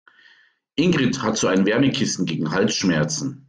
Ingrid hat so ein Wärmekissen gegen Halsschmerzen.